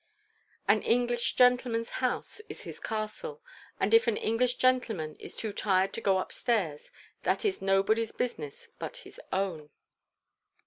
An English gentleman's house is his castle, and if an English gentleman is too tired to go upstairs that is nobody's business but his own.